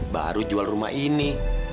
baru jual rumah ini